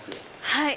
はい。